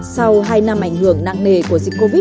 sau hai năm ảnh hưởng nặng nề của dịch covid một mươi